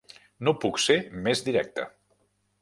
No puc ser més directe.